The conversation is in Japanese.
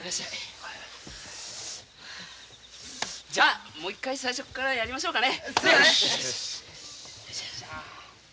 じゃあもう一回最初からやりましょうかね。